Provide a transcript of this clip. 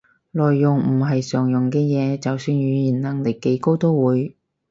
內容唔係常用嘅嘢，就算語言能力幾高都會